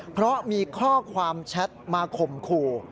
เพราะมีข้อความแชทมาข่มขู่